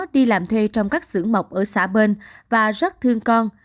đi làm thuê trong các xưởng mọc ở xã bên và rất thương con